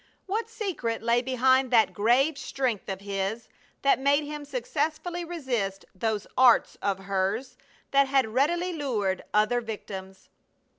What secret lay behind that grave strength of his that made him successfully resist those arts of hers that had readily lured other victims?